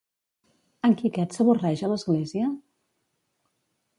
En Quiquet s'avorreix a l'església?